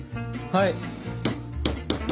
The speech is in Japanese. はい。